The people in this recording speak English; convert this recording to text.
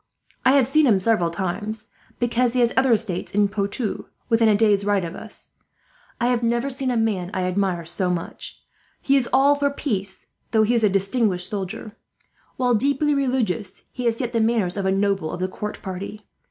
"I have seen him several times, because he has other estates in Poitou, within a day's ride of us. I have never seen a man I admire so much. He is all for peace, though he is a distinguished soldier. While deeply religious, he has yet the manners of a noble of the court party.